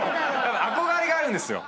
憧れがあるんですよ。